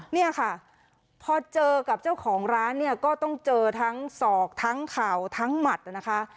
เนี่ยค่ะพอเจอกับเจ้าของร้านเนี่ยก็ต้องเจอทั้งศอกทั้งเข่าทั้งหมัดนะคะ